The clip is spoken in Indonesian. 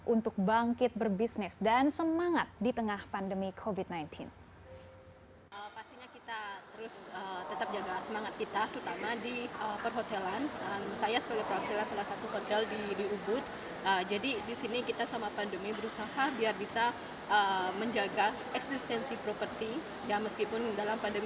untuk bangkit berbisnis dan semangat di tengah pandemi covid sembilan belas